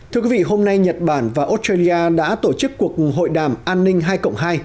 thưa quý vị hôm nay nhật bản và australia đã tổ chức cuộc hội đàm an ninh hai cộng hai